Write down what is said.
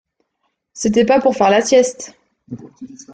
C’était pas pour faire la sieste.